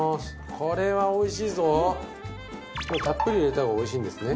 これはおいしいぞこれたっぷり入れた方がおいしいんですね？